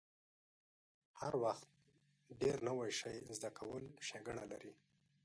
هر وخت ډیر نوی شی زده کول ښېګڼه لري.